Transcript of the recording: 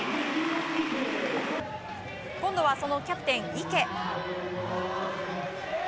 今度はそのキャプテン、池。